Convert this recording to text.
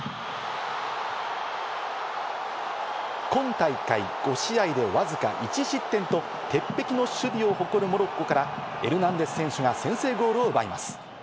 今大会５試合でわずか１失点と鉄壁の守備を誇るモロッコからエルナンデス選手が先制ゴールを奪います。